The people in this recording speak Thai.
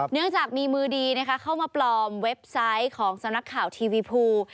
เนื่องจากมีมือดีเข้ามาปลอมเว็บไซต์ของสำนักข่าวทีวีภู